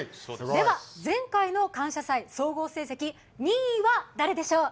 では前回の感謝祭総合成績２位は誰でしょう。